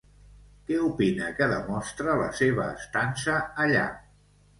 Què opina que demostra la seva estança allà?